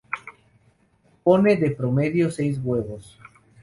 Pone de promedio seis huevos.